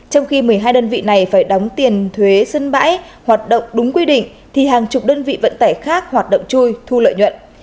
trong khi một mươi hai đơn vị này phải đóng tiền thuế sân bãi hoạt động đúng quy định thì hàng chục đơn vị vận tải khác hoạt động chui thu lợi nhuận